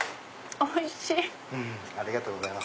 おいしい！